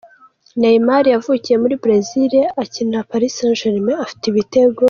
Neymar: Yavukiye muri Brazil, akinira Paris Saint Germain, afite ibitego